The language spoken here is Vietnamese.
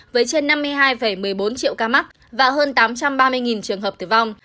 với trên năm mươi hai một mươi bốn triệu ca mắc và hơn tám trăm ba mươi trường hợp tử vong